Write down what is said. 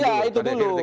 iya itu dulu